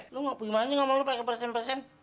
lo gak punya manja ngomong lo pake persen persen